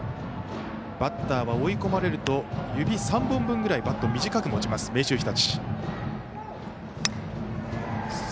バッターは追い込まれると指３本分くらいバットを短く持ちます、明秀日立。